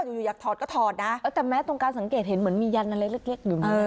อยู่อยู่อยากถอดก็ถอดน่ะเออแต่แมสตรงกลางสังเกตเห็นเหมือนมียันอะไรเล็กเล็ก